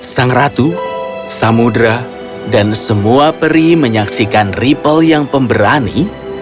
sang ratu samudera dan semua peri menyaksikan ripple yang pemberani